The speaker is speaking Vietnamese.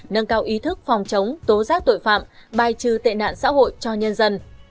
nâng cao ý thức phòng chống tố giác tội phạm bài trừ tệ nạn xã hội cho nhân dân